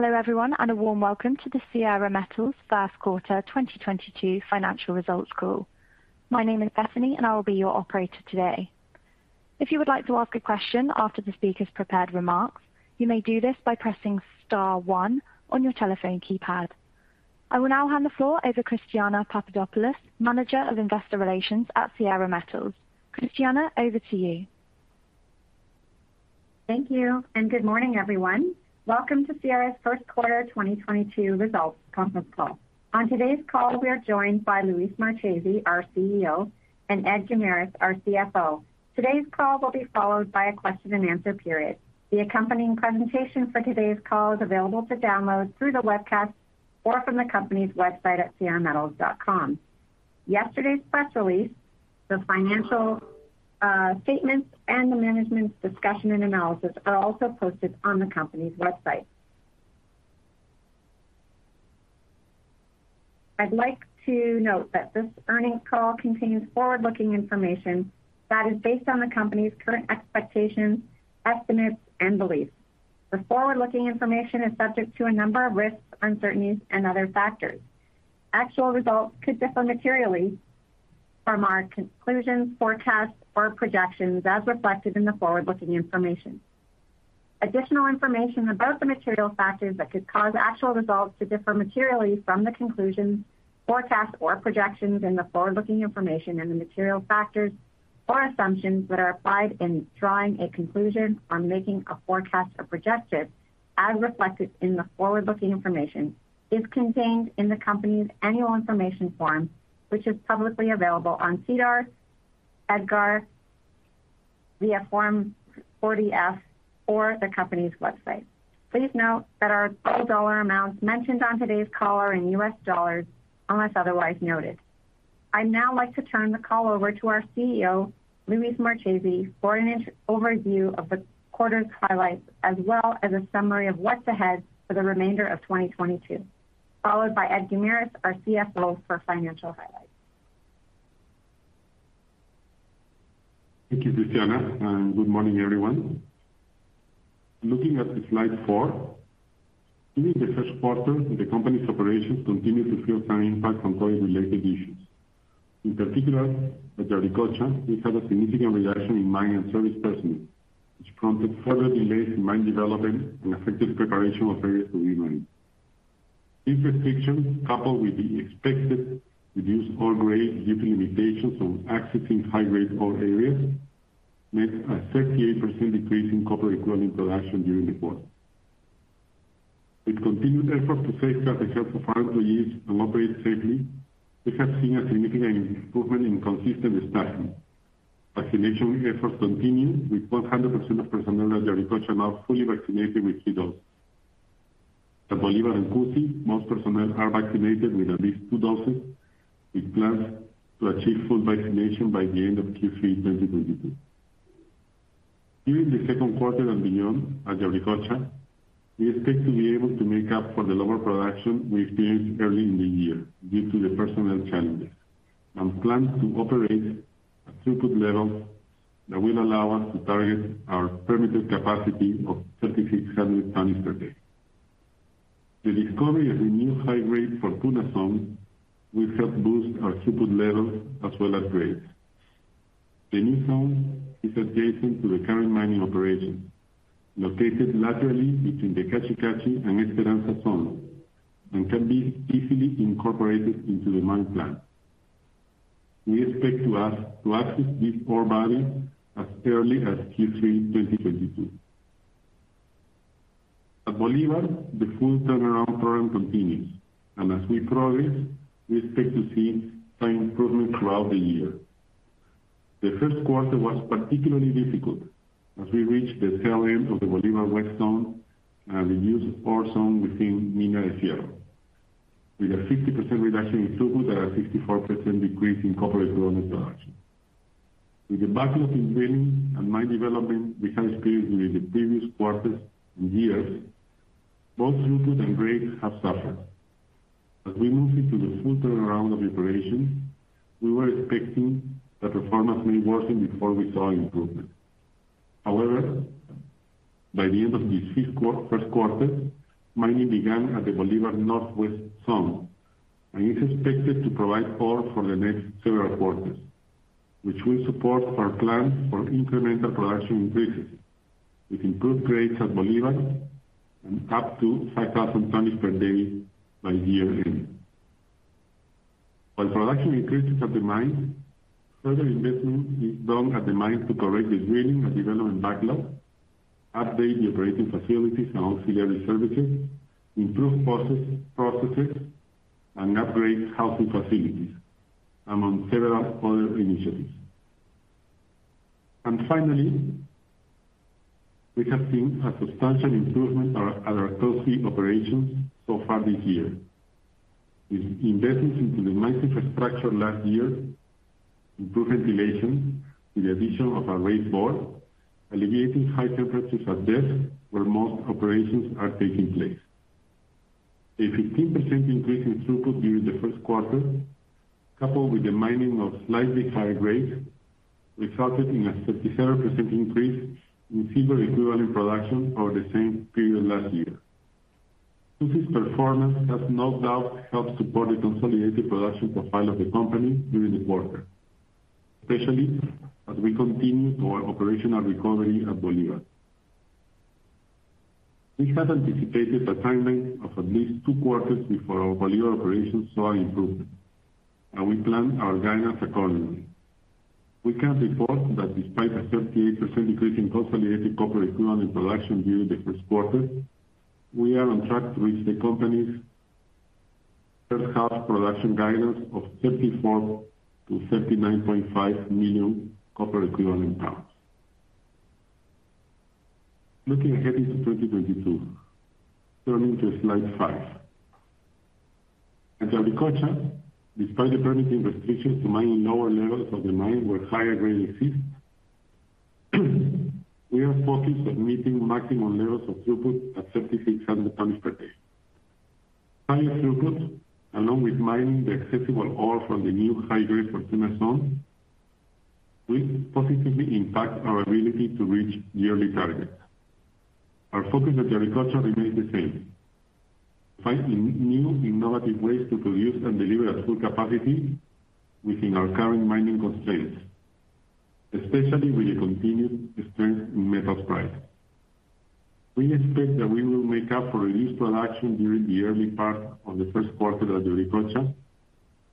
Hello everyone, and a warm welcome to the Sierra Metals First Quarter 2022 Financial Results Call. My name is Bethany, and I will be your operator today. If you would like to ask a question after the speaker's prepared remarks, you may do this by pressing star one on your telephone keypad. I will now hand the floor over to Christina Papadopoulos, Manager of Investor Relations at Sierra Metals. Christina, over to you. Thank you, and good morning, everyone. Welcome to Sierra's first quarter 2022 results conference call. On today's call, we are joined by Luis Marchese, our CEO, and Ed Guimaraes, our CFO. Today's call will be followed by a question-and-answer period. The accompanying presentation for today's call is available to download through the webcast or from the company's website at sierrametals.com. Yesterday's press release, the financial statements, and the management's discussion and analysis are also posted on the company's website. I'd like to note that this earnings call contains forward-looking information that is based on the company's current expectations, estimates, and beliefs. The forward-looking information is subject to a number of risks, uncertainties, and other factors. Actual results could differ materially from our conclusions, forecasts, or projections as reflected in the forward-looking information. Additional information about the material factors that could cause actual results to differ materially from the conclusions, forecasts, or projections in the forward-looking information and the material factors or assumptions that are applied in drawing a conclusion or making a forecast or projection as reflected in the forward-looking information is contained in the company's annual information form, which is publicly available on SEDAR, EDGAR via Form 40-F or the company's website. Please note that our total dollar amounts mentioned on today's call are in US dollars, unless otherwise noted. I'd now like to turn the call over to our CEO, Luis Marchese, for an overview of the quarter's highlights as well as a summary of what's ahead for the remainder of 2022, followed by Ed Guimaraes, our CFO, for financial highlights. Thank you, Christina, and good morning, everyone. Looking at slide four, during the first quarter, the company's operations continued to feel some impact from COVID-related issues. In particular, at Yauricocha, we had a significant reduction in mine and service personnel, which prompted further delays in mine development and affected preparation of areas to be mined. These restrictions, coupled with the expected reduced ore grade due to limitations on accessing high-grade ore areas, meant a 38% decrease in copper equivalent production during the quarter. With continued efforts to safeguard the health of our employees and operate safely, we have seen a significant improvement in consistent staffing. Vaccination efforts continue with 100% of personnel at Yauricocha now fully vaccinated with three doses. At Bolivar and Cusi, most personnel are vaccinated with at least two doses, with plans to achieve full vaccination by the end of Q3 2022. During the second quarter and beyond, at Yauricocha we expect to be able to make up for the lower production we experienced early in the year due to the personnel challenges. Now we plan to operate at throughput levels that will allow us to target our permitted capacity of 3,600 tonnes per day. The discovery of a new high-grade Fortuna zone will help boost our throughput levels as well as grades. The new zone is adjacent to the current mining operation, located laterally between the Cachi Cachi and Esperanza zone and can be easily incorporated into the mine plan. We expect to access this ore body as early as Q3 2022. At Bolivar, the full turnaround program continues, and as we progress, we expect to see some improvement throughout the year. The first quarter was particularly difficult as we reached the tail end of the Bolivar West zone and the usable ore zone within Mina Escondida. With a 60% reduction in throughput and a 64% decrease in copper equivalent production. With the backlog in drilling and mine development we have experienced during the previous quarters and years, both throughput and grades have suffered. As we move into the full turnaround of operations, we were expecting that performance may worsen before we saw improvement. However, by the end of this first quarter, mining began at the Bolivar Northwest zone and is expected to provide ore for the next several quarters, which will support our plans for incremental production increases with improved grades at Bolivar and up to 5,000 tonnes per day by year-end. While production increases at the mines, further investment is done at the mines to correct the drilling and development backlog, update the operating facilities and auxiliary services, improve processes, and upgrade housing facilities, among several other initiatives. Finally, we have seen a substantial improvement at our Cusi operations so far this year with investments into the mine's infrastructure last year, improved ventilation with the addition of a raise bore, alleviating high temperatures at depth where most operations are taking place. A 15% increase in throughput during the first quarter, coupled with the mining of slightly higher grades, resulted in a 37% increase in silver equivalent production over the same period last year. Cusi's performance has no doubt helped support the consolidated production profile of the company during the quarter, especially as we continue our operational recovery at Bolivar. We had anticipated a timeline of at least two quarters before our Bolivar operations saw improvement, and we planned our guidance accordingly. We can report that despite a 38% decrease in consolidated copper equivalent production during the first quarter, we are on track to reach the company's first half production guidance of 34-39.5 million copper equivalent pounds. Looking ahead into 2022, turning to slide five. At Yauricocha, despite the permitting restrictions to mining lower levels of the mine where higher grades exist, we are focused on meeting maximum levels of throughput at 3,600 tonnes per day. Higher throughput, along with mining the accessible ore from the new high-grade Fortuna zone, will positively impact our ability to reach yearly targets. Our focus at Yauricocha remains the same, finding new innovative ways to produce and deliver at full capacity within our current mining constraints, especially with the continued strength in metals price. We expect that we will make up for reduced production during the early part of the first quarter at Yauricocha,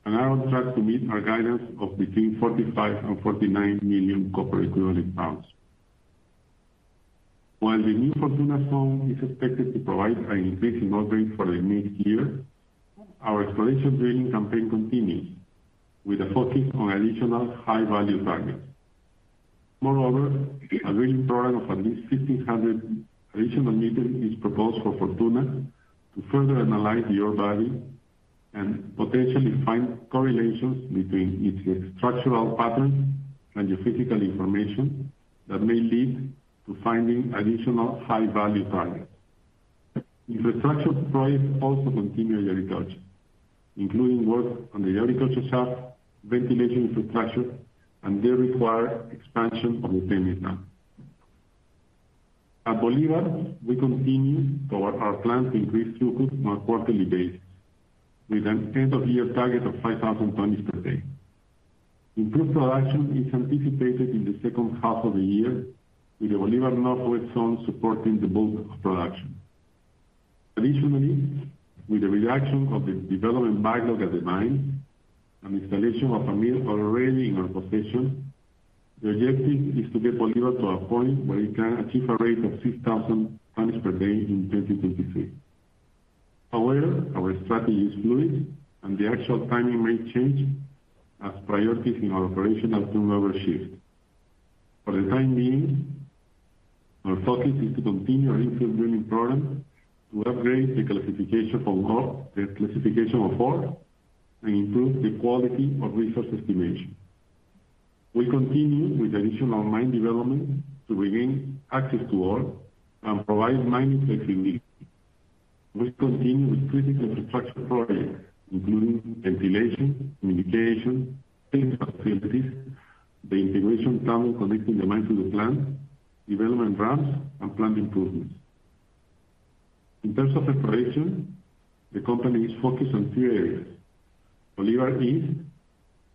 and are on track to meet our guidance of between 45 and 49 million copper equivalent pounds. While the new Fortuna zone is expected to provide an increase in ore grade for the next year, our exploration drilling campaign continues with a focus on additional high-value targets. Moreover, a drilling program of at least 1,500 additional meters is proposed for Fortuna to further analyze the ore body and potentially find correlations between its structural patterns and geophysical information that may lead to finding additional high-value targets. Infrastructure projects also continue at Yauricocha, including work on the Yauricocha shaft, ventilation infrastructure, and the required expansion of the tailings dam. At Bolivar, we continue toward our plan to increase throughput on a quarterly basis with an end-of-year target of 5,000 tonnes per day. Improved production is anticipated in the second half of the year, with the Bolivar Northwest zone supporting the bulk of production. Additionally, with the reduction of the development backlog at the mine and installation of a mill already in our possession, the objective is to get Bolivar to a point where it can achieve a rate of 6,000 tonnes per day in 2023. However, our strategy is fluid, and the actual timing may change as priorities in our operational turnover shift. For the time being, our focus is to continue our infill drilling program to upgrade the classification of ore and improve the quality of resource estimation. We continue with additional mine development to regain access to ore and provide mining flexibility. We continue with critical infrastructure projects, including ventilation, communication, facilities, the integration tunnel connecting the mine to the plant, development ramps, and plant improvements. In terms of exploration, the company is focused on three areas. Bolivar East,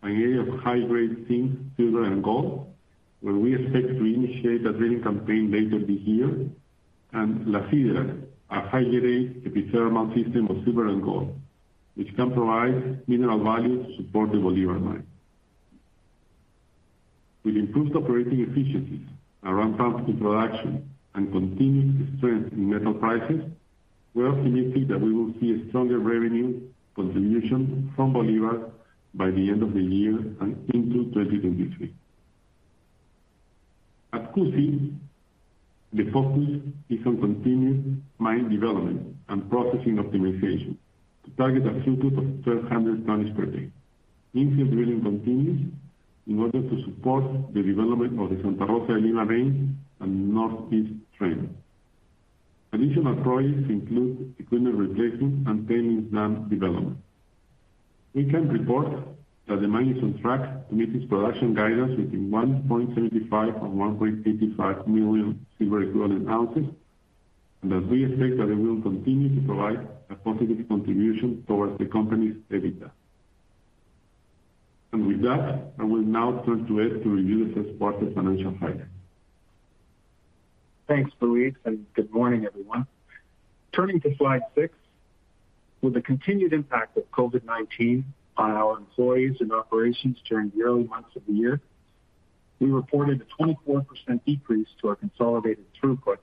an area of high-grade zinc, silver, and gold, where we expect to initiate a drilling campaign later this year, and La Sidra, a high-grade epithermal system of silver and gold, which can provide mineral value to support the Bolivar Mine. With improved operating efficiencies, a ramp-up in production, and continued strength in metal prices, we are optimistic that we will see a stronger revenue contribution from Bolivar by the end of the year and into 2023. At Cusi, the focus is on continued mine development and processing optimization to target a throughput of 1,200 tonnes per day. Infill drilling continues in order to support the development of the Santa Rosa-Elina vein and Northeast trend. Additional projects include equipment replacement and tailings dam development. We can report that the mine is on track to meet its production guidance within 1.75-1.85 million silver equivalent ounces, and that we expect that it will continue to provide a positive contribution towards the company's EBITDA. With that, I will now turn to Ed to review this quarter's financial highlights. Thanks, Luis, and good morning, everyone. Turning to slide 6. With the continued impact of COVID-19 on our employees and operations during the early months of the year, we reported a 24% decrease to our consolidated throughput.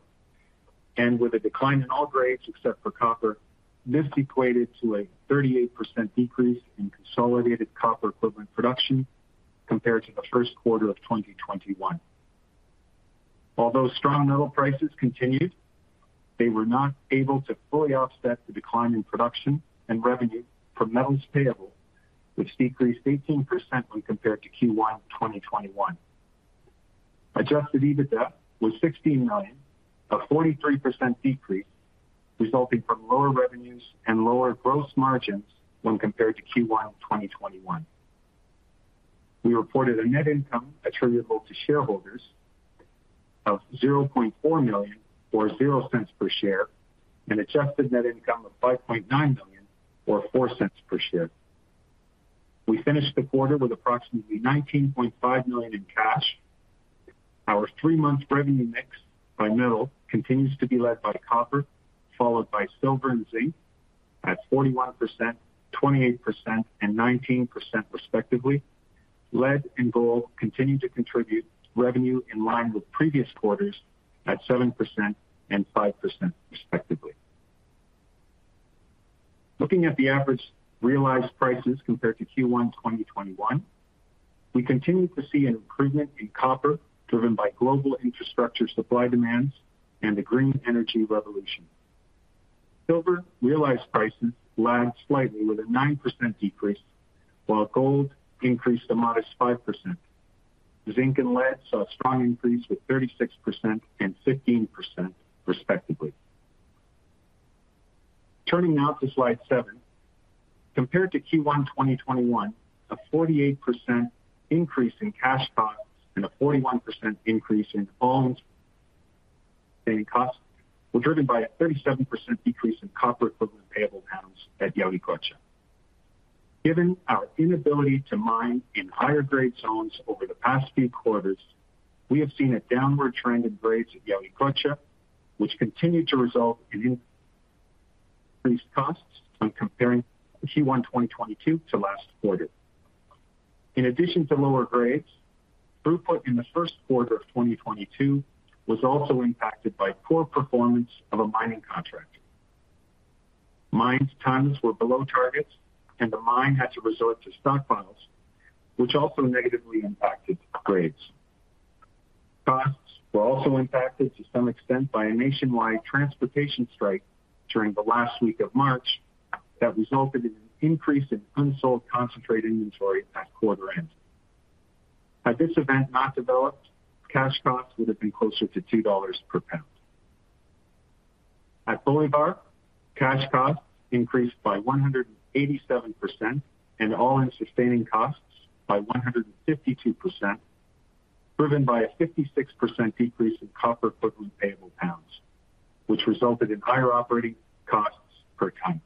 With a decline in all grades except for copper, this equated to a 38% decrease in consolidated copper equivalent production compared to the first quarter of 2021. Although strong metal prices continued, they were not able to fully offset the decline in production and revenue from metals payable, which decreased 18% when compared to Q1 2021. Adjusted EBITDA was $60 million, a 43% decrease resulting from lower revenues and lower gross margins when compared to Q1 of 2021. We reported a net income attributable to shareholders of $0.4 million or 0 cents per share, and adjusted net income of $5.9 million or 4 cents per share. We finished the quarter with approximately $19.5 million in cash. Our three-month revenue mix by metal continues to be led by copper, followed by silver and zinc at 41%, 28%, and 19% respectively. Lead and gold continue to contribute revenue in line with previous quarters at 7% and 5% respectively. Looking at the average realized prices compared to Q1 2021, we continue to see an improvement in copper driven by global infrastructure supply demands and the green energy revolution. Silver realized prices lagged slightly with a 9% decrease, while gold increased a modest 5%. Zinc and lead saw a strong increase with 36% and 15% respectively. Turning now to slide seven. Compared to Q1 2021, a 48% increase in cash costs and a 41% increase in all-in sustaining costs were driven by a 37% decrease in copper equivalent payable pounds at Yauricocha. Given our inability to mine in higher grade zones over the past few quarters, we have seen a downward trend in grades at Yauricocha, which continued to result in increased costs when comparing Q1 2022 to last quarter. In addition to lower grades, throughput in the first quarter of 2022 was also impacted by poor performance of a mining contract. Mine tons were below targets, and the mine had to resort to stockpiles, which also negatively impacted grades. Costs were also impacted to some extent by a nationwide transportation strike during the last week of March that resulted in an increase in unsold concentrate inventory at quarter end. Had this event not developed, cash costs would have been closer to $2 per pound. At Bolivar, cash costs increased by 187% and all-in sustaining costs by 152%, driven by a 56% decrease in copper equivalent payable pounds, which resulted in higher operating costs per ton.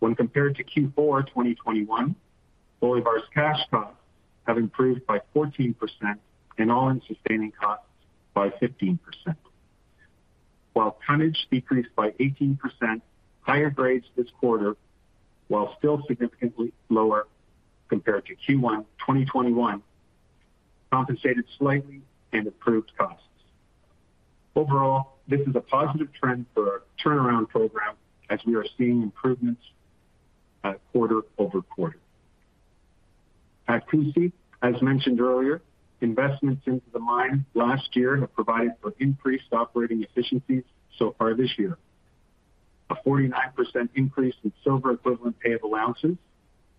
When compared to Q4 2021, Bolivar's cash costs have improved by 14% and all-in sustaining costs by 15%. While tonnage decreased by 18%, higher grades this quarter, while still significantly lower compared to Q1 2021, compensated slightly and improved costs. Overall, this is a positive trend for our turnaround program as we are seeing improvements quarter over quarter. At Cusi, as mentioned earlier, investments into the mine last year have provided for increased operating efficiencies so far this year. A 49% increase in silver equivalent payable ounces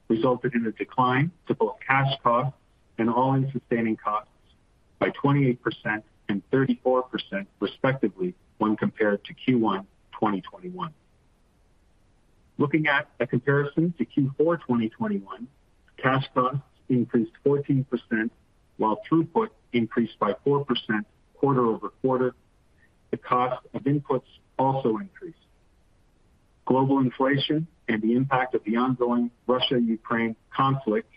resulted in a decline to both cash costs and all-in sustaining costs by 28% and 34% respectively when compared to Q1 2021. Looking at a comparison to Q4 2021, cash costs increased 14% while throughput increased by 4% quarter-over-quarter. The cost of inputs also increased. Global inflation and the impact of the ongoing Russia-Ukraine conflict,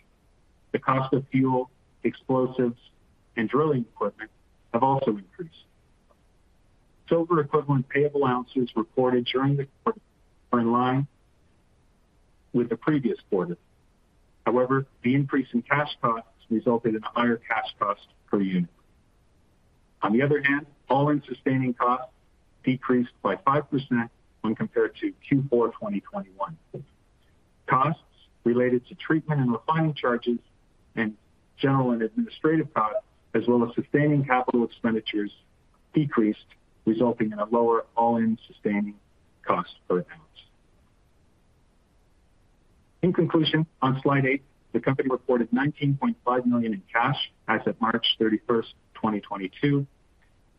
the cost of fuel, explosives, and drilling equipment, have also increased. Silver equivalent payable ounces reported during the quarter are in line with the previous quarter. However, the increase in cash costs resulted in higher cash costs per unit. On the other hand, all-in sustaining costs decreased by 5% when compared to Q4 2021. Costs related to treatment and refining charges and general and administrative costs, as well as sustaining capital expenditures decreased, resulting in a lower all-in sustaining cost per ounce. In conclusion, on slide eight, the company reported $19.5 million in cash as of March 31, 2022.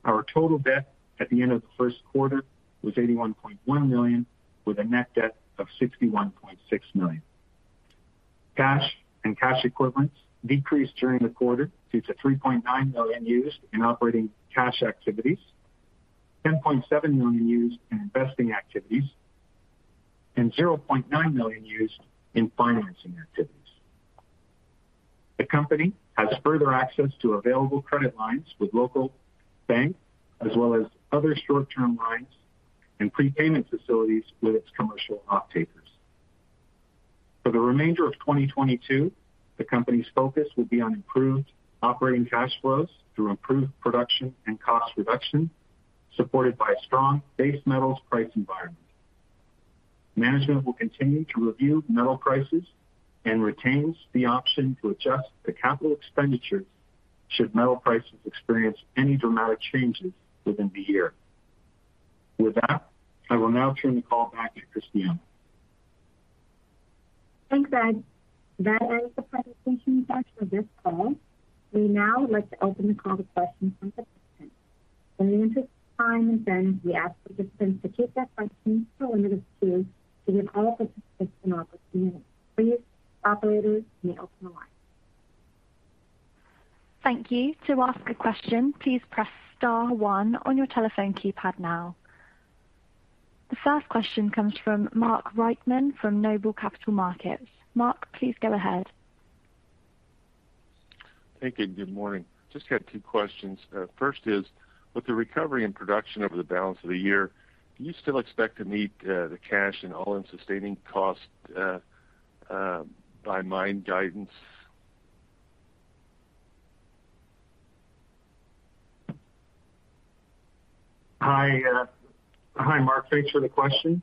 Our total debt at the end of the first quarter was $81.1 million, with a net debt of $61.6 million. Cash and cash equivalents decreased during the quarter due to $3.9 million used in operating cash activities, $10.7 million used in investing activities, and $0.9 million used in financing activities. The company has further access to available credit lines with local banks as well as other short-term lines and prepayment facilities with its commercial off-takers. For the remainder of 2022, the company's focus will be on improved operating cash flows through improved production and cost reduction, supported by a strong base metals price environment. Management will continue to review metal prices and retains the option to adjust the capital expenditures should metal prices experience any dramatic changes within the year. With that, I will now turn the call back to Christina. Thanks, Ed. That ends the presentation section of this call. We'd now like to open the call to questions from participants. In the interest of time then, we ask participants to keep their questions limited to the call participants and operators. Please, operator, you may open the line. Thank you. To ask a question, please press star one on your telephone keypad now. The first question comes from Mark Reichman from Noble Capital Markets. Mark, please go ahead. Thank you. Good morning. Just had two questions. First is, with the recovery and production over the balance of the year, do you still expect to meet the cash and all-in sustaining cost by mine guidance? Hi, Mark. Thanks for the question.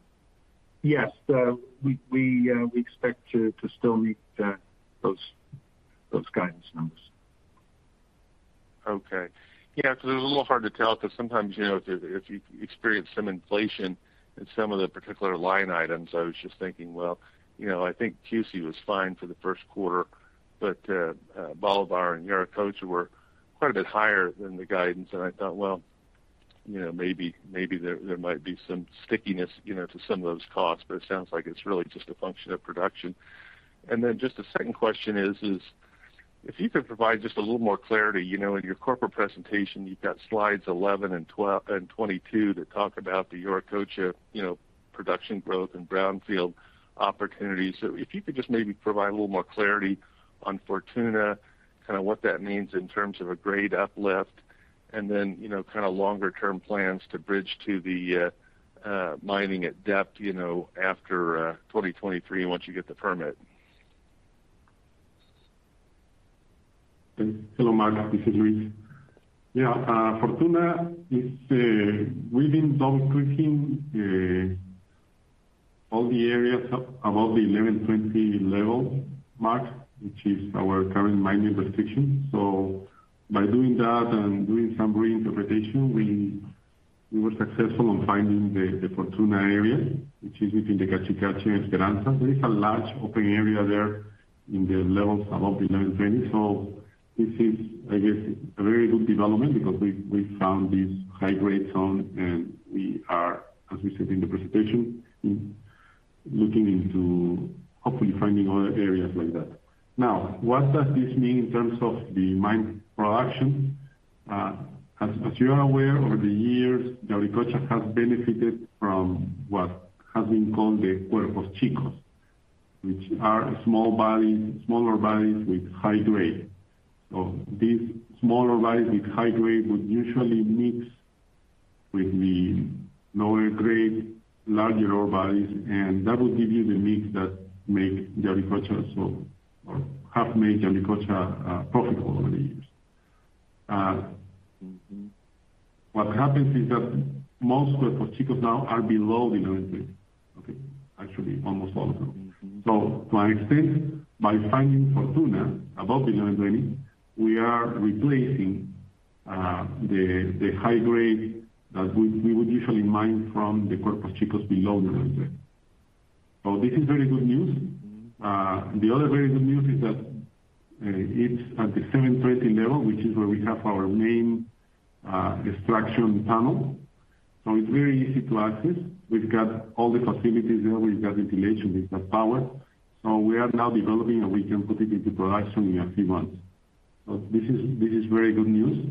Yes. We expect to still meet those guidance numbers. Okay. Yeah, 'cause it's a little hard to tell because sometimes, you know, if you experience some inflation in some of the particular line items, I was just thinking, well, you know, I think Cusi was fine for the first quarter, but Bolivar and Yauricocha were quite a bit higher than the guidance. I thought, well, you know, maybe there might be some stickiness, you know, to some of those costs, but it sounds like it's really just a function of production. Just the second question is if you could provide just a little more clarity. You know, in your corporate presentation, you've got slides 11 and 12 and 22 that talk about the Yauricocha, you know, production growth and brownfield opportunities. If you could just maybe provide a little more clarity on Fortuna, kinda what that means in terms of a grade uplift, and then, you know, kinda longer term plans to bridge to the mining at depth, you know, after 2023 once you get the permit. Hello, Mark. This is Luis. Fortuna is, we've been double increasing all the areas up above the 1120 level mark, which is our current mining restriction. By doing that and doing some reinterpretation, we were successful in finding the Fortuna area, which is within the Cachi Cachi and Esperanza. There is a large open area there in the levels above 1120 level. This is a very good development because we've found these high-grade zone, and we are, as we said in the presentation, looking into hopefully finding other areas like that. Now, what does this mean in terms of the mine production? As you are aware, over the years, Yauricocha has benefited from what has been called the Cuerpos Chicos, which are small bodies, smaller bodies with high grade. These smaller bodies with high grade would usually mix with the lower grade, larger ore bodies, and that would give you the mix that make Yauricocha so or have made Yauricocha profitable over the years. What happens is that most Cuerpos Chicos now are below the 1120 level. Okay? Actually, almost all of them. To an extent, by finding Fortuna above 1120 level, we are replacing the high grade that we would usually mine from the Cuerpos Chicos below the 1120 level. This is very good news. The other very good news is that it's at the 720 level, which is where we have our main extraction tunnel. It's very easy to access. We've got all the facilities there. We've got ventilation. We've got power. We are now developing, and we can put it into production in a few months. This is very good news,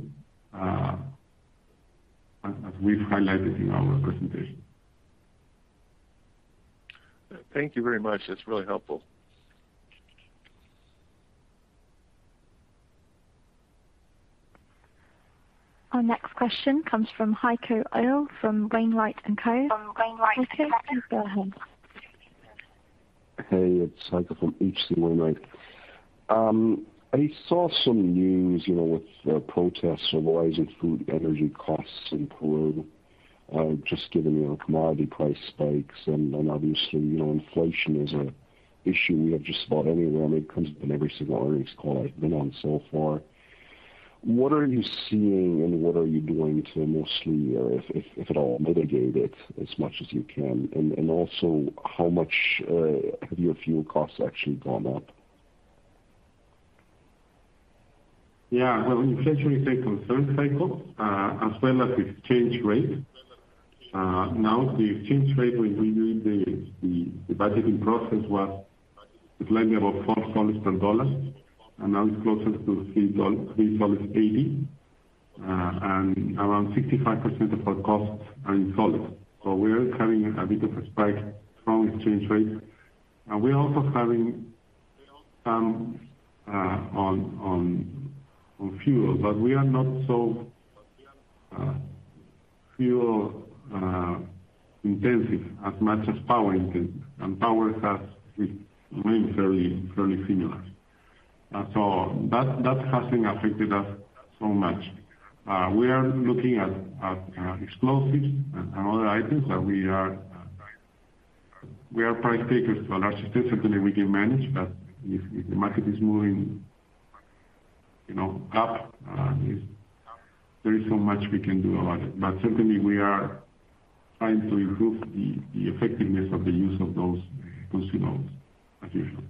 as we've highlighted in our presentation. Thank you very much. That's really helpful. Our next question comes from Heiko Ihle from H.C. Wainwright & Co. Heiko, please go ahead. Hey, it's Heiko from H.C. Wainwright & Co. I saw some news, you know, with protests arising from food, energy costs in Peru, just given, you know, commodity price spikes and obviously, you know, inflation is an issue we have just about anywhere when it comes to every single earnings call I've been on so far. What are you seeing and what are you doing to mostly or if at all mitigate it as much as you can? Also how much have your fuel costs actually gone up? Yeah. Well, inflation is a concern, Heiko, as well as exchange rate. Now the exchange rate when we doing the budgeting process was slightly about 4 soles per dollar, and now it's closer to 3.80 soles. Around 65% of our costs are in soles. We are having a bit of a spike from exchange rate. We're also having some on fuel. We are not so fuel intensive as much as power intensive. Power has remained fairly similar. That hasn't affected us so much. We are looking at explosives and other items that we are price takers to a large extent. Certainly we can manage, but if the market is moving you know, up, there is so much we can do about it, but certainly we are trying to improve the effectiveness of the use of those you know, as usual.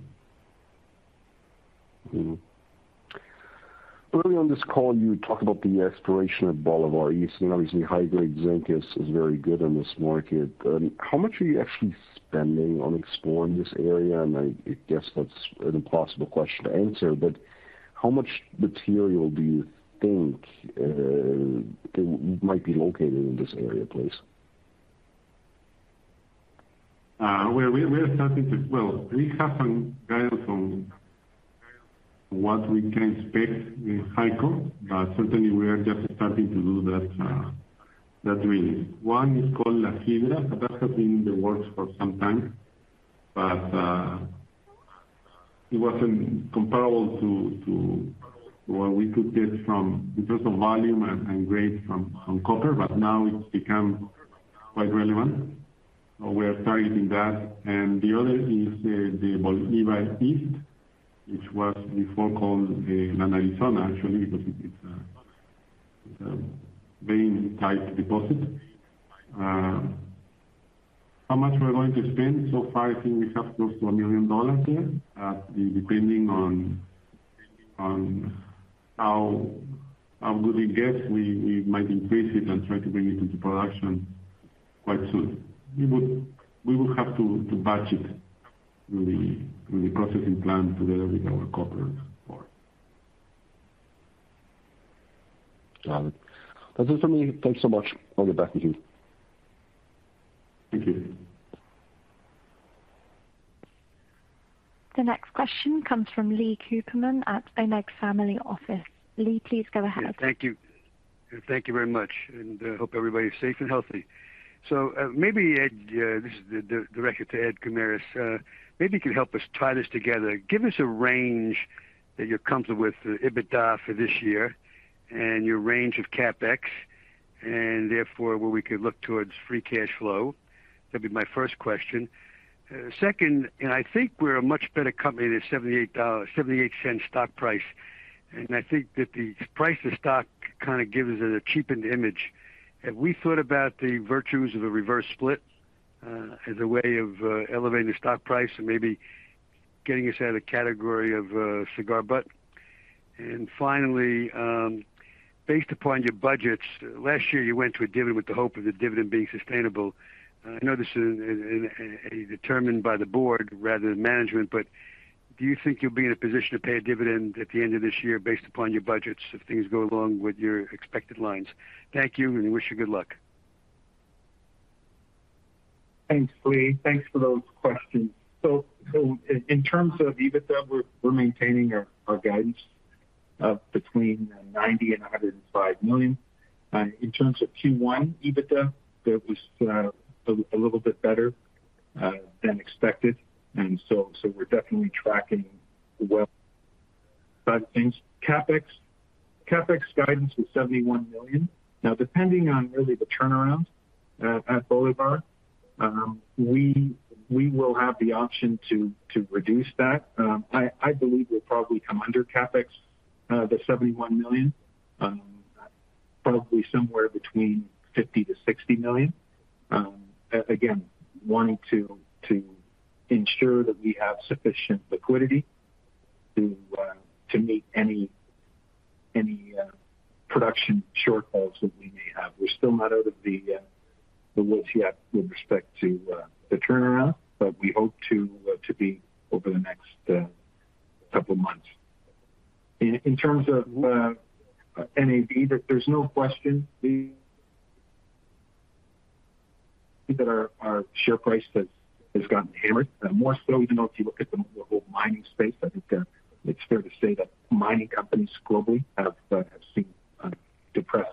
Early on this call, you talked about the exploration of Bolivar East, and obviously high-grade zinc is very good in this market. How much are you actually spending on exploring this area? And I guess that's an impossible question to answer, but how much material do you think there might be located in this area, please? We're starting to. We have some guidance on what we can expect with high gold, but certainly we are just starting to do that really. One is called La Sidra. That has been in the works for some time, but it wasn't comparable to what we could get from in terms of volume and grade from copper. Now it's become quite relevant. We are targeting that. The other is the Bolivar East, which was before called La Arizona, actually, because it's a vein-type deposit. How much we are going to spend? So far, I think we have close to $1 million there. Depending on how good we get, we might increase it and try to bring it into production quite soon. We would have to batch it with the processing plant together with our copper for it. Got it. That's it for me. Thanks so much. I'll get back to you. Thank you. The next question comes from Leon Cooperman at Omega Family Office. Leon, please go ahead. Yeah, thank you. Thank you very much. Hope everybody is safe and healthy. Maybe, Ed, this is directed to Ed Guimaraes. Maybe you could help us tie this together. Give us a range that you're comfortable with EBITDA for this year and your range of CapEx, and therefore, where we could look towards free cash flow. That'd be my first question. Second, I think we're a much better company than $0.78 stock price. I think that the price of stock kind of gives it a cheapened image. Have we thought about the virtues of a reverse split, as a way of elevating stock price and maybe getting us out of the category of a cigar butt? Finally, based upon your budgets, last year you went to a dividend with the hope of the dividend being sustainable. I know this is determined by the board rather than management, but do you think you'll be in a position to pay a dividend at the end of this year based upon your budgets if things go along with your expected lines? Thank you, and wish you good luck. Thanks, Lee. Thanks for those questions. In terms of EBITDA, we're maintaining our guidance of between $90 million and $105 million. In terms of Q1 EBITDA, that was a little bit better than expected. We're definitely tracking well things. CapEx guidance was $71 million. Now, depending on really the turnaround at Bolivar, we will have the option to reduce that. I believe we'll probably come under CapEx, the $71 million, probably somewhere between $50 million-$60 million. Again, wanting to ensure that we have sufficient liquidity to meet any production shortfalls that we may have. We're still not out of the woods yet with respect to the turnaround, but we hope to be over the next couple of months. In terms of NAV, there's no question, Lee, that our share price has gotten hammered. More so even though if you look at the whole mining space, I think it's fair to say that mining companies globally have seen depressed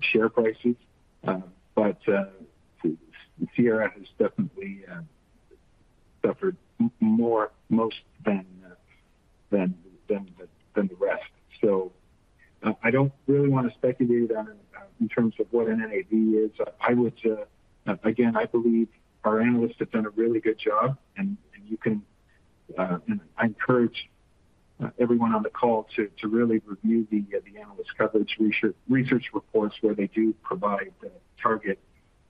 share prices. Sierra has definitely suffered more than most than the rest. I don't really want to speculate on in terms of what an NAV is. I would again, I believe our analysts have done a really good job, and you can, and I encourage everyone on the call to really review the analyst coverage research reports where they do provide the target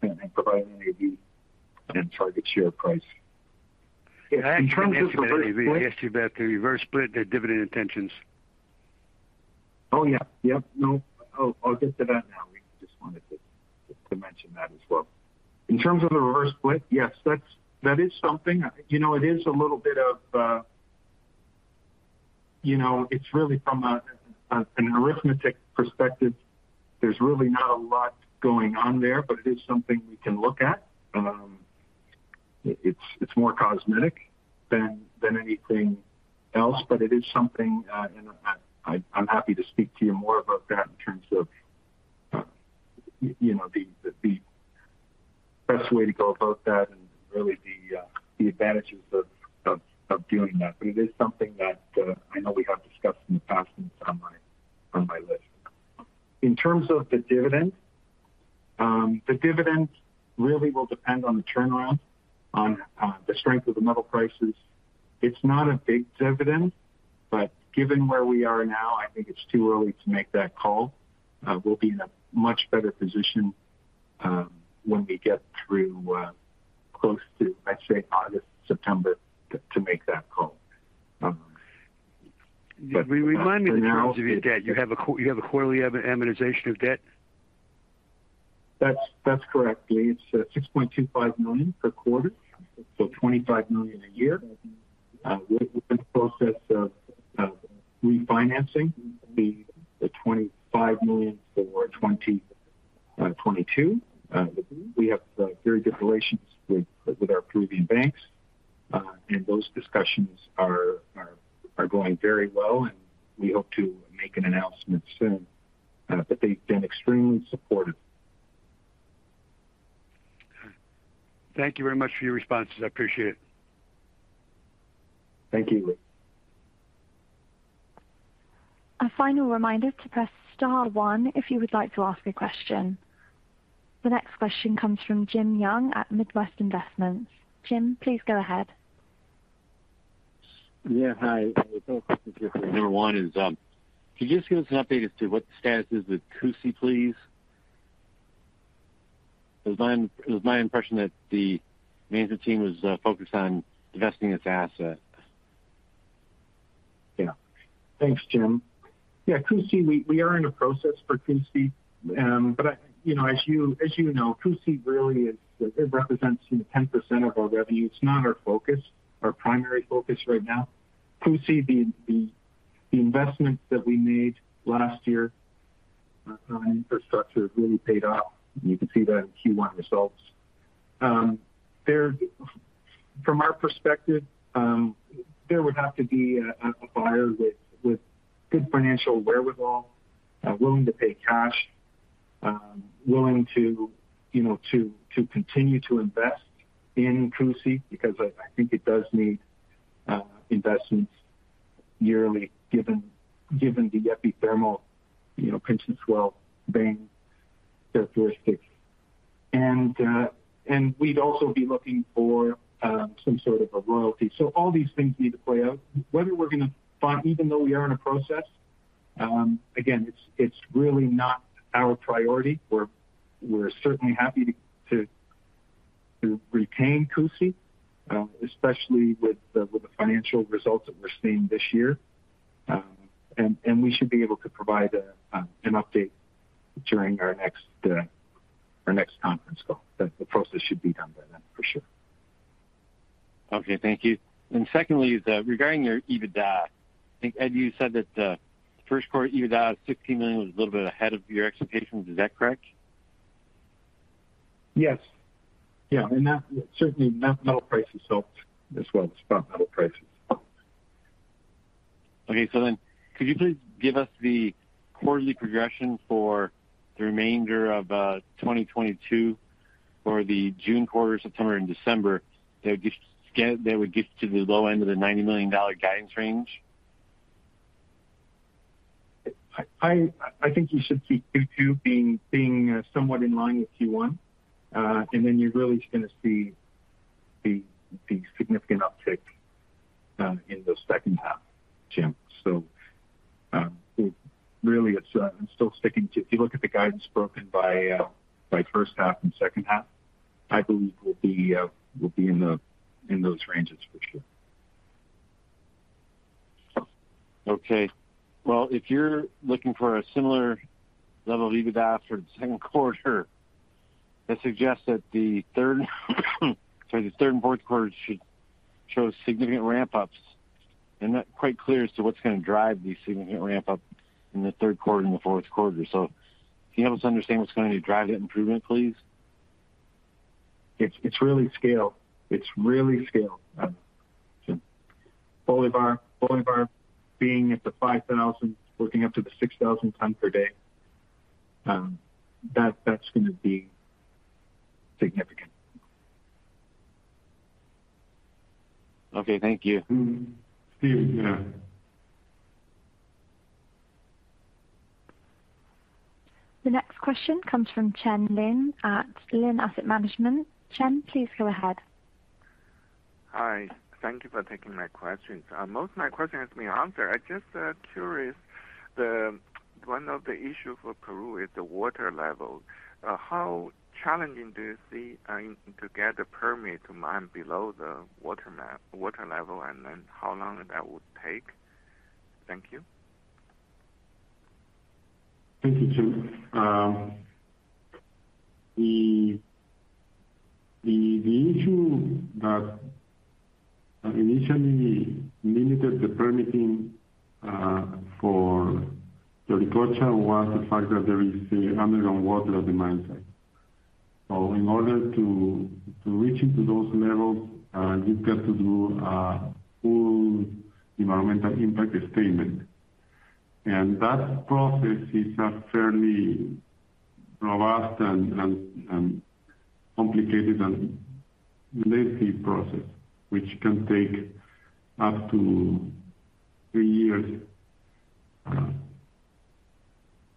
and provide NAV and target share price. In terms of the reverse split. May I ask you about the reverse split, the dividend intentions? Oh, yeah. Yeah. No. I'll get to that now. We just wanted to mention that as well. In terms of the reverse split, yes, that's something. You know, it is a little bit of, you know, it's really from an arithmetic perspective. There's really not a lot going on there, but it is something we can look at. It's more cosmetic than anything else, but it is something, and I'm happy to speak to you more about that in terms of, you know, the best way to go about that and really the advantages of doing that. It is something that I know we have discussed in the past. In terms of the dividend, the dividend really will depend on the turnaround, on the strength of the metal prices. It's not a big dividend, but given where we are now, I think it's too early to make that call. We'll be in a much better position when we get through close to, let's say, August, September, to make that call. But for now- Remind me in terms of your debt, you have a quarterly amortization of debt? That's correct, Lee. It's $6.25 million per quarter, so $25 million a year. We're in the process of refinancing the $25 million for 2022. We have very good relations with our Peruvian banks, and those discussions are going very well, and we hope to make an announcement soon. They've been extremely supportive. All right. Thank you very much for your responses. I appreciate it. Thank you, Lee. A final reminder to press star one if you would like to ask a question. The next question comes from Jim Young at Midwest Investments. Jim, please go ahead. Yeah, hi. I have a couple questions here. Number one is, can you just give us an update as to what the status is with Cusi, please? It was my impression that the management team was focused on divesting its asset. Yeah. Thanks, Jim. Yeah, Cusi, we are in a process for Cusi. But I, you know, as you know, Cusi really is, it represents, you know, 10% of our revenue. It's not our focus, our primary focus right now. Cusi, the investments that we made last year on infrastructure really paid off. You can see that in Q1 results. From our perspective, there would have to be a buyer with good financial wherewithal, willing to pay cash, willing to, you know, to continue to invest in Cusi, because I think it does need investments yearly given the epithermal, you know, pinch and swell vein characteristics. We'd also be looking for some sort of a royalty. All these things need to play out. Whether we're gonna find... Even though we are in a process, again, it's really not our priority. We're certainly happy to retain Cusi, especially with the financial results that we're seeing this year. We should be able to provide an update during our next conference call. The process should be done by then, for sure. Okay, thank you. Secondly is, regarding your EBITDA, I think, Ed, you said that, first quarter EBITDA of $16 million was a little bit ahead of your expectations. Is that correct? Yes. Yeah, that certainly metal prices helped as well, the spot metal prices. Okay, could you please give us the quarterly progression for the remainder of 2022 for the June quarter, September and December, that would get to the low end of the $90 million guidance range? I think you should see Q2 being somewhat in line with Q1. You're really just gonna see the significant uptick in the second half, Jim. Really, it's still sticking to guidance broken by first half and second half. If you look at the guidance broken by first half and second half, I believe we'll be in those ranges for sure. Okay. Well, if you're looking for a similar level of EBITDA for the second quarter, that suggests that the third and fourth quarter should show significant ramp ups. Not quite clear as to what's gonna drive the significant ramp up in the third quarter and the fourth quarter. Can you help us understand what's going to drive that improvement, please? It's really scale. Bolivar being at the 5,000, working up to the 6,000 tons per day, that's gonna be significant. Okay, thank you. Mm-hmm. Steve, yeah. The next question comes from Chen Lin at Lin Asset Management. Chen, please go ahead. Hi. Thank you for taking my questions. Most of my questions has been answered. I'm just curious, one of the issue for Peru is the water levels. How challenging do you see to get the permit to mine below the water level, and then how long that would take? Thank you. Thank you, Chen. The issue that initially limited the permitting for Yauricocha was the fact that there is underground water at the mine site. In order to reach into those levels, you've got to do a full environmental impact statement. That process is a fairly robust and complicated and lengthy process, which can take up to three years,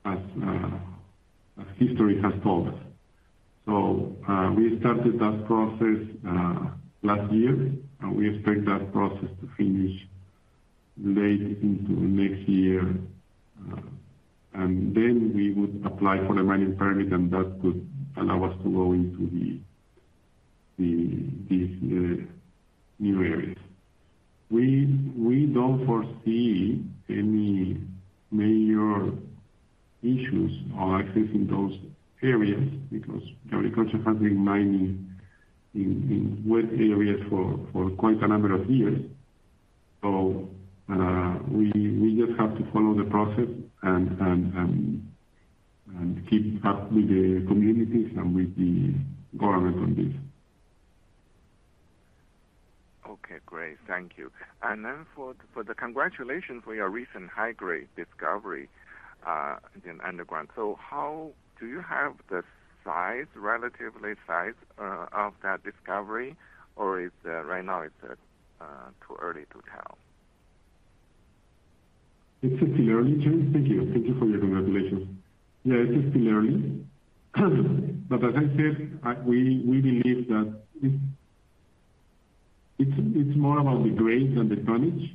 as history has told us. We started that process last year, and we expect that process to finish late into next year. Then we would apply for the mining permit, and that could allow us to go into these new areas. We don't foresee any major issues on accessing those areas because Yauricocha has been mining in wet areas for quite a number of years. We just have to follow the process and keep up with the communities and with the government on this. Okay, great. Thank you. For the congratulations for your recent high-grade discovery in underground. Do you have the size, relative size, of that discovery? Or is it right now too early to tell? It's still early, James. Thank you. Thank you for your congratulations. Yeah, it is still early. As I said, we believe that it's more about the grade than the tonnage.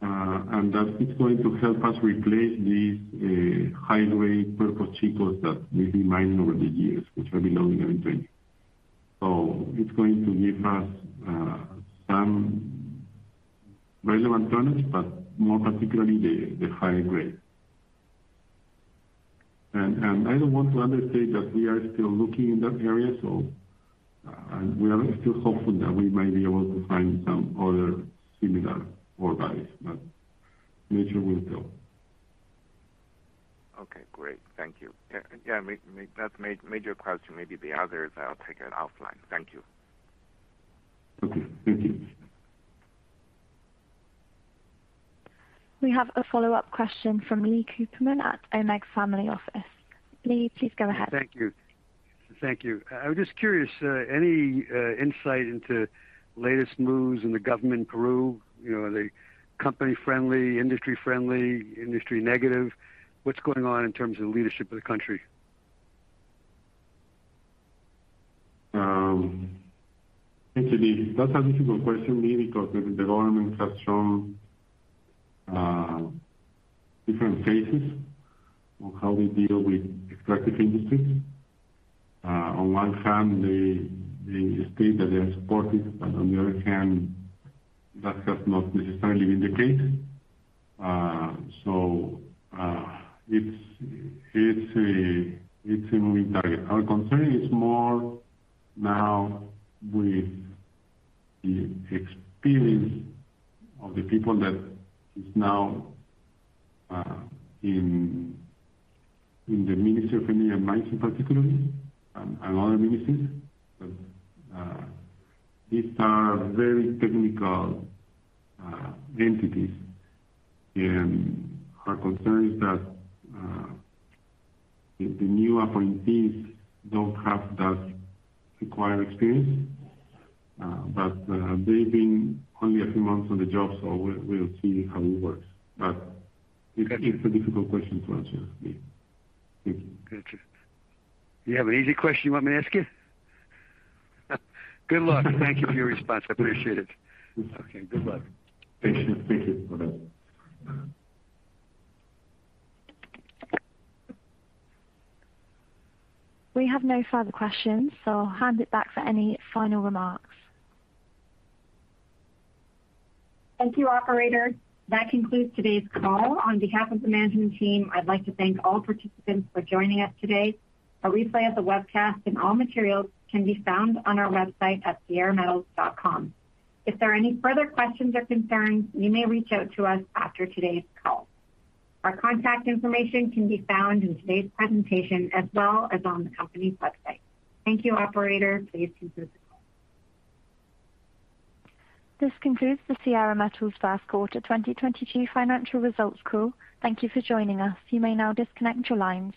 That's what's going to help us replace these high-grade Cuerpos Chicos that we've been mining over the years, which are below the 920 level. It's going to give us some relevant tonnage, but more particularly the high grade. I don't want to understate that we are still looking in that area, and we are still hopeful that we might be able to find some other similar ore bodies, but nature will tell. Okay, great. Thank you. Yeah. Yeah, that's major question. Maybe the others I'll take an offline. Thank you. Okay. Thank you. We have a follow-up question from Leon Cooperman at Omega Family Office. Lee, please go ahead. Thank you. I was just curious, any insight into latest moves in the government in Peru? You know, are they company-friendly, industry-friendly, industry-negative? What's going on in terms of leadership of the country? Thanks, Lee. That's a difficult question, Lee, because the government has shown different faces on how they deal with extractive industries. On one hand, they state that they are supportive, but on the other hand, that has not necessarily been the case. It's a moving target. Our concern is more now with the experience of the people that is now in the Ministry of Energy and Mines particularly, and other ministries. These are very technical entities, and our concern is that the new appointees don't have that required experience. They've been only a few months on the job, so we'll see how it works. It's a difficult question to answer, Lee. Thank you. Gotcha. You have an easy question you want me to ask you? Good luck. Thank you for your response. I appreciate it. Okay, good luck. Thank you. Thank you for that. We have no further questions, so I'll hand it back for any final remarks. Thank you, operator. That concludes today's call. On behalf of the management team, I'd like to thank all participants for joining us today. A replay of the webcast and all materials can be found on our website at sierrametals.com. If there are any further questions or concerns, you may reach out to us after today's call. Our contact information can be found in today's presentation as well as on the company's website. Thank you, operator. Please conclude the call. This concludes the Sierra Metals first quarter 2022 financial results call. Thank you for joining us. You may now disconnect your lines.